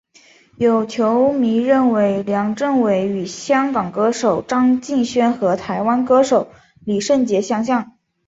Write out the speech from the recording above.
有球迷认为梁振邦与香港歌手张敬轩和台湾歌手李圣杰相像。